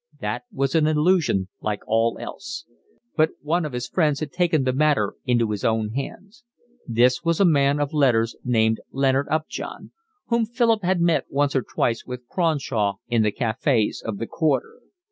That was an illusion like all else. But one of his friends had taken the matter into his own hands. This was a man of letters, named Leonard Upjohn, whom Philip had met once or twice with Cronshaw in the cafes of the Quarter.